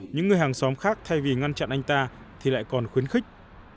những người hàng xóm khác thay vì ngăn chặn anh ta thì lại còn khuyến khích